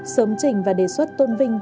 sớm trình và đề xuất tôn vinh